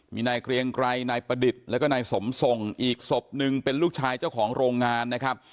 มีนายเกรียงไกรนายประดิษฐ์แล้วก็นายสมทรงอีกศพหนึ่งเป็นลูกชายเจ้าของโรงงานนะครับ